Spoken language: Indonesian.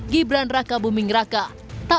gibran raka buming raka tak